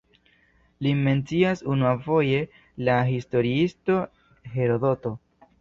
Lin mencias unuafoje la historiisto Herodoto.